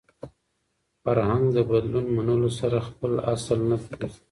فرهنګ د بدلون منلو سره سره خپل اصل نه پرېږدي.